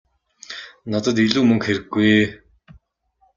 Надад илүү мөнгө хэрэггүй ээ.